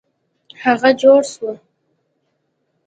هغه جوړه سوه.